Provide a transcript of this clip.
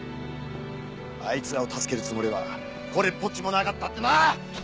あいつらを助けるつもりはこれっぽっちもなかったってな！